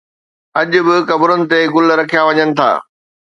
اڄ به قبرن تي گل رکيا وڃن ٿا